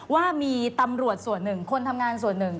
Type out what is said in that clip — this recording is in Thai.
ว่ามีตำรวจส่วนหนึ่งคนทำงานส่วนหนึ่ง